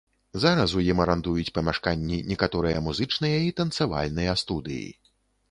Зараз у ім арандуюць памяшканні некаторыя музычныя і танцавальныя студыі.